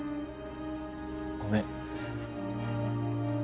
ごめん。